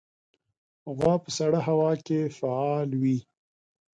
غوا په سړه هوا کې فعال وي.